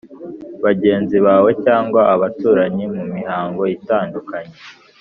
bagenzi bawe cyangwa abaturanyi mu mihango itandukanye